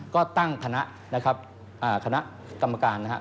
ก็ตั้งคณะนะครับคณะกรรมการนะครับ